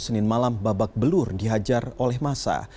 senin malam babak belur dihajar oleh masa